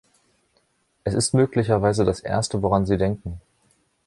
Es ist möglicherweise das Erste, woran sie denken